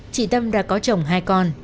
chị tâm đã có chồng hai con